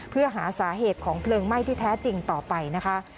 เพื่อหาสาเหตุของเพลิงไหม้ที่แท้จริงต่อไปนะคะ